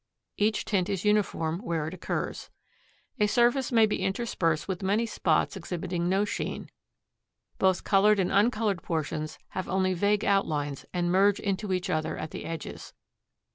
Each tint is uniform where it occurs. A surface may be interspersed with many spots exhibiting no sheen. Both colored and uncolored portions have only vague outlines and merge into each other at the edges.